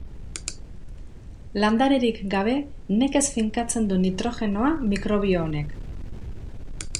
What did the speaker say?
Landarerik gabe nekez finkatzen du nitrogenoa mikrobio honek.